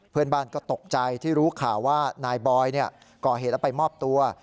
เพื่อนบ้านก็ตกใจที่รู้ข่าวว่านายบอยก่อเหตุแล้วไปมอบตัว